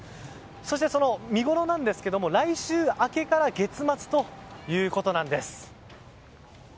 そして、見ごろですが来週明けから月末ということです。